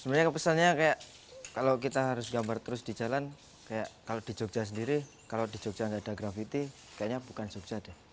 sebenarnya kepesannya kayak kalau kita harus gambar terus di jalan kayak kalau di jogja sendiri kalau di jogja nggak ada grafiti kayaknya bukan jogja deh